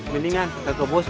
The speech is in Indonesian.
mendingan kakak bos